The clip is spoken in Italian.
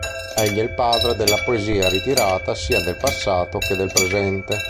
Egli è il padre della poesia ritirata sia del passato che del presente.